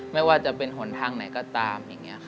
ไม่ว่าจะเป็นหนทางไหนก็ตาม